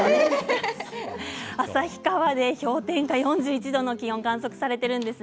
旭川で氷点下４１度の気温が観測されているんです。